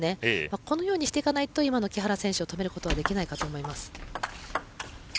このようにしていかないと今の木原選手を止めることはできないかと思います。